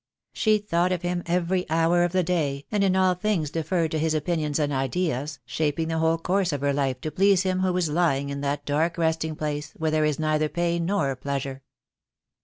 She thought of him every hour of the day, and in all things deferred to his opinions and ideas, shaping the whole course of her life to please him who was lying in that dark resting place where there is neither pain nor pleasure.